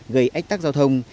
gây ách tắc giao thông